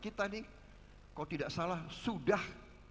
kita nih kalau tidak salah sudah